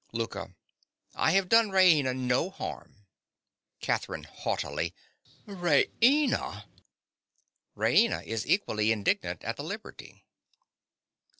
LOUKA. I have done Raina no harm. CATHERINE. (haughtily). Raina! (_Raina is equally indignant at the liberty.